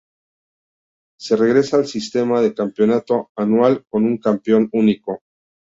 Se regresa al sistema de campeonato anual con un campeón único.